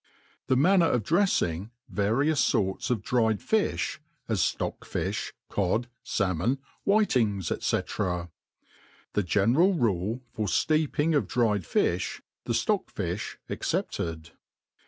\ The Manner^of drejjing various Sorts lof Dried Fijh^ as Stock fijhy Codf Salmon^ Whitings^ ^c. The general Rule for fteeping of^ Dried Filh, th« Stock fi(h excepted.